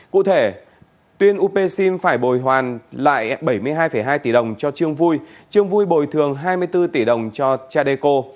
cụ thể tuyên upsim phải bồi hoàn lại bảy mươi hai hai tỷ đồng cho trương vui trương vui bồi thường hai mươi bốn tỷ đồng cho chadeco